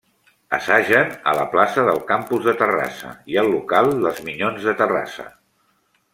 Assagen a la plaça del Campus de Terrassa i al local dels Minyons de Terrassa.